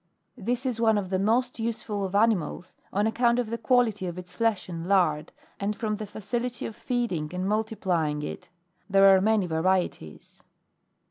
This is one of the most useful of animals, on account of the quality of its flesh and lard, and from the facility of feeding, and multiplying it. There are many varieties.